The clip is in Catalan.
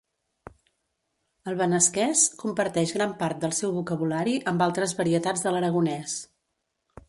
El benasquès comparteix gran part del seu vocabulari amb altres varietats de l'aragonès.